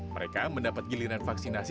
mereka mendapat giliran vaksinasi